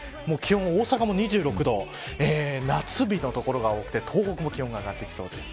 大阪も２６度、夏日の所が多く東北も気温が上がってきそうです。